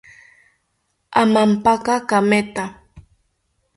Amampaka kametha